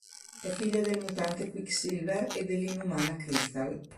È figlia del mutante Quicksilver e dell'inumana Crystal.